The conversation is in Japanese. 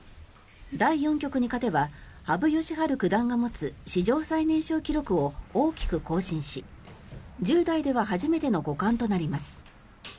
第４局に勝てば羽生善治九段が持つ史上最年少記録を大きく更新し１０代では初めての五冠となります。